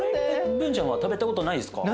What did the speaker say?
ブンちゃんは食べたことないですか？